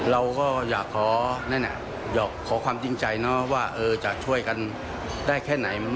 เราก็อยากขอความจริงใจเนอะว่าจะช่วยกันได้แค่ไหน